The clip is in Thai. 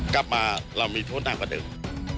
กลับมาเรามีโทษนั่งกว่าหนึ่ง